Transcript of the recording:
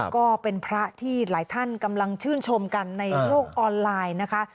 ก็เป็นพระที่หลายท่านกำลังชื่นชมกันในโลกออนไลน์นะคะ